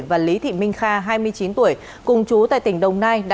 và lý thị minh kha hai mươi chín tuổi cùng chú tại tỉnh đồng nai